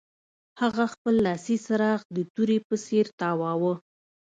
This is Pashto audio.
هغه خپل لاسي څراغ د تورې په څیر تاواوه